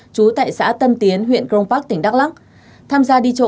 trú tại xã tân tiến huyện crong bông